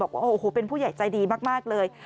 บอกว่าโอ้โหเป็นผู้ใหญ่ใจดีมากเลย